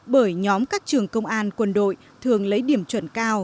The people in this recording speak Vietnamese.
bởi nhóm các trường công an quân đội thường lấy điểm chuẩn cao